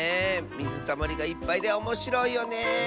みずたまりがいっぱいでおもしろいよね。